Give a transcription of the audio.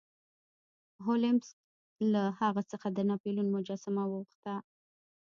هولمز له هغه څخه د ناپلیون مجسمه وغوښته.